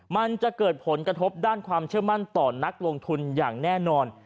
มันจะเกิดผลกระทบด้านความเชื่อมั่นต่อนักลงทุนอย่างแน่นอน